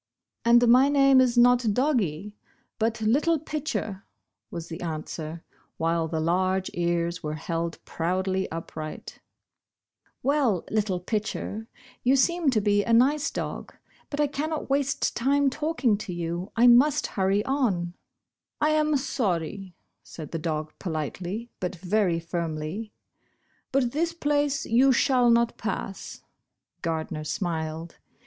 "And my name is not Doggie, but 'Little Pitcher,' " was the answer while the large ears were held proudly upright. "Well, 'Little Pitcher,' you seem to be a nice * This picture is taken from a living " Little Pitcher." 14 Bosh Bosh Oil. dog, but I cannot waste time talking to you, I must hurry on." " I am sorry," said the dog, politely but very firmly, "but this place you shall not pass." Gardner smiled.